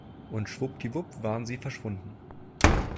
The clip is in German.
Und schwuppdiwupp waren sie verschwunden.